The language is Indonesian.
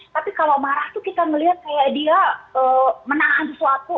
tapi kalau marah tuh kita melihat kayak dia menahan sesuatu